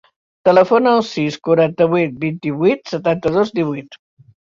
Telefona al sis, quaranta-vuit, vint-i-vuit, setanta-dos, divuit.